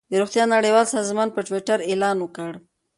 د روغتیا نړیوال سازمان په ټویټر اعلان وکړ.